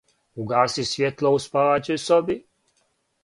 Угаси свјетло у спаваћој соби.